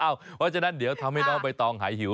เพราะฉะนั้นเดี๋ยวทำให้น้องใบตองหายหิว